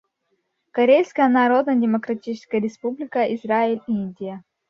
Корейская Народно-Демократическая Республика, Израиль, Индия.